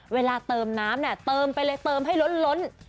เวลาเติมน้ำเนี่ยเติมไปเลยเติมให้ล้น